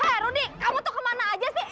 hah rudy kamu tuh kemana aja sih eh